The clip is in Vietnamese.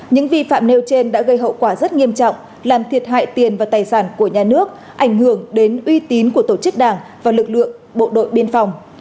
những vi phạm nêu trên đã gây hậu quả rất nghiêm trọng làm thiệt hại tiền và tài sản của nhà nước ảnh hưởng đến uy tín của tổ chức đảng và lực lượng bộ đội biên phòng